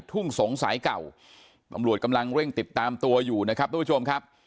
ทุ่งสงสายเก่าตำรวจกำลังเร่งติดตามตัวอยู่นะครับทุกผู้ชมครับ